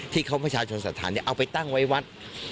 ประชาชนสถานเอาไปตั้งไว้วัด